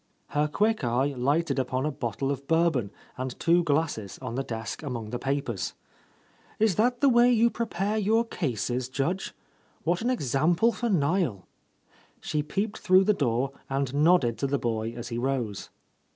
Her quick eye lighted upon a bottle of Bourbon and two glasses on the desk among the papers. "Is that the way you prepare your cases. Judge ? What an example for Niel !" She peeped — 34 — A Lost Lady through the door and nodded to the boy as he rose.